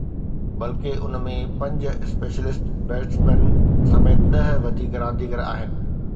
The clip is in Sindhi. بلڪه، ان ۾ پنج اسپيشلسٽ بيٽسمين سميت ڏهه وڌيڪ رانديگر آهن